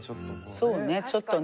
そうね